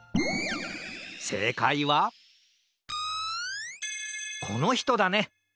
せいかいはこのひとだね！